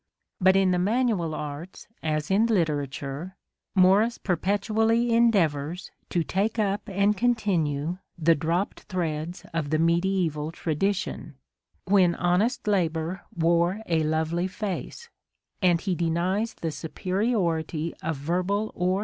But in the manual arts, as in literature, Morris perpetually endeavours to "take up and continue the dropped threads of the mediaeval tradition," when "honest labour wore a lovely face" ; and he denies the superiority of verbal or literary THE LADY OF THE FALCON.